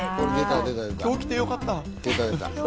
今日来てよかった。